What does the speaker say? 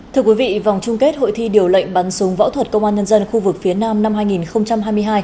thưa quý vị vòng chung kết hội thi điều lệnh bắn súng võ thuật công an nhân dân khu vực phía nam năm hai nghìn hai mươi hai